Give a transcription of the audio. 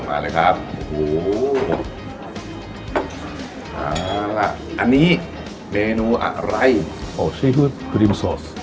มาเลยครับโอ้โหเอาล่ะอันนี้เมนูอะไรโอ้ซีฟู้ดครีมซอส